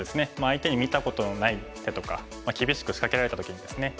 相手に見たことのない手とか厳しく仕掛けられた時にですね